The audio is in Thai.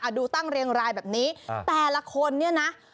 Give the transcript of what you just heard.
ดูตั้งเรียงรายแบบนี้แต่ละคนเนี่ยนะ